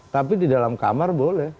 tapi di dalam kamar boleh